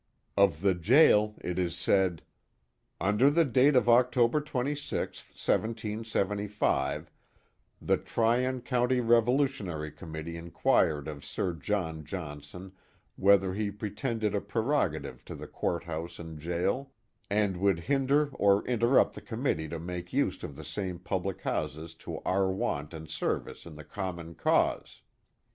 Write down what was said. Of the jail it is said: Under the date of October 26, 1775, the Tryon County Revolu* tionary Comniiitee inquired of Sir John Johnson whether he pre tended a prerogative to the courthouse and jail, " and would hinder or interrupt the committee to make use of the same public houses to our want and service in the common cause."